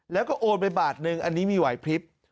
แล้วก็โอนเป็นบาทหนึ่งอันนี้มีหวัยพริบ